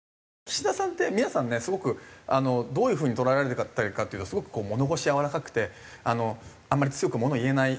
岸田さんって皆さんねすごくどういう風に捉えられているかっていうとすごく物腰やわらかくてあんまり強くものを言えない